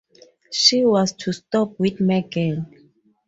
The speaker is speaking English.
She was to stop with Megan.